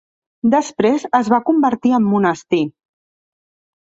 Després es va convertir en monestir.